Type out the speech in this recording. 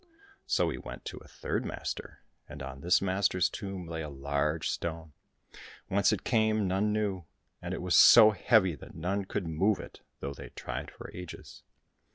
So he went to a third master, and on this master's tomb lay a large stone. Whence it came none knew, and it was so heavy that none could move it, though they tried for ages.